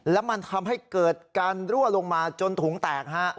แล้วมันทำให้เกิดการรั่วลงมาจนถุงแตกฮะ